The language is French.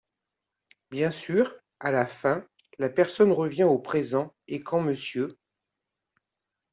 Bien sûr, à la fin, la personne revient au présent et quand Mr.